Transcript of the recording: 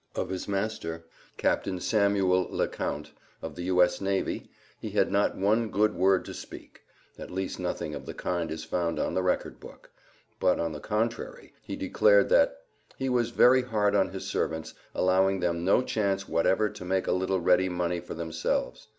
Of his master, Captain Samuel Le Count, of the U.S. Navy, he had not one good word to speak; at least nothing of the kind is found on the Record Book; but, on the contrary, he declared that "he was very hard on his servants, allowing them no chance whatever to make a little ready money for themselves."